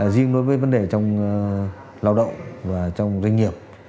riêng đối với vấn đề trong lao động và trong doanh nghiệp